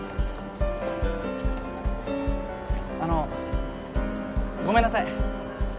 あのごめんなさい